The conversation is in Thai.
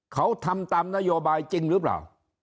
เขาทำตามนโยบายจริงหรือเปล่า